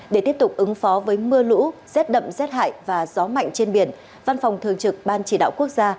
để tiếp tục ứng phó với mưa lũ rét đậm rét hại và gió mạnh trên biển văn phòng thường trực ban chỉ đạo quốc gia